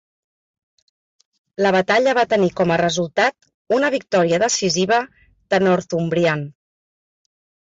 La batalla va tenir com a resultat una victòria decisiva de Northumbrian.